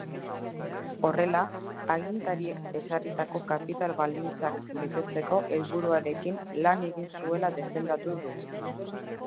Horrela, agintariek ezarritako kapital baldintzak betetzeko helburuarekin lan egin zuela defendatu du.